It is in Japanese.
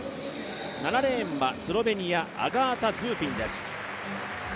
７レーンはスロベニアアガータ・ズーピンです。